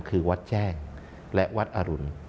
คือวัดแจ้งและวัดอรุณ